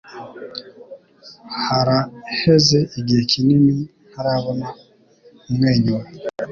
Haraheze igihe kinini ntarabona umwenyura.